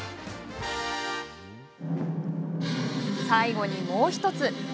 最後に、もう１つ。